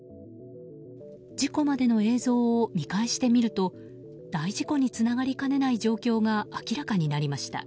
事故までの映像を見返してみると大事故につながりかねない状況が明らかになりました。